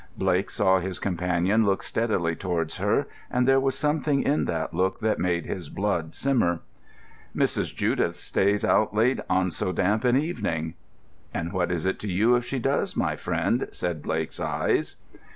Blake saw his companion look steadily towards her, and there was something in that look that made his blood simmer. "Mrs. Judith stays out late on so damp an evening." "And what is it to you if she does, my friend," said Blake's eyes.